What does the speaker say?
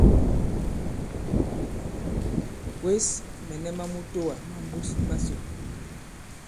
Kwěs mɛ̀nɛ ma mutoà ma mbus masò.